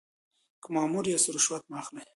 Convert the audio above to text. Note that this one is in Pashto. که مامور یاست رشوت مه اخلئ.